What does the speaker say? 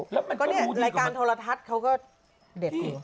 แล้วก็เนี่ยรายการโทรทัศน์เขาก็เด็ดอีก